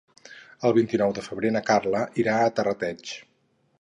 El vint-i-nou de febrer na Carla irà a Terrateig.